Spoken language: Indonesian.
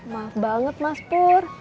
maaf banget mas pur